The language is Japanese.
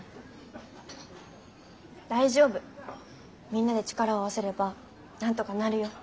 みんなで力を合わせればなんとかなるよ。